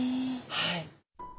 はい。